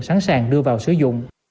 sẵn sàng đưa vào sử dụng